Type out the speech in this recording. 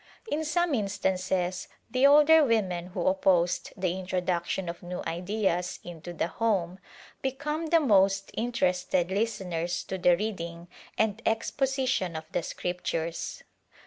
In some instances the older women who opposed the introduction of new ideas into the home become the most interested listeners to the reading and exposition of the Scriptures.